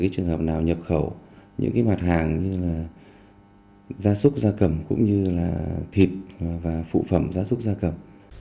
trường hợp nào nhập khẩu những mặt hàng như da súc da cầm cũng như thịt và phụ phẩm da súc da cầm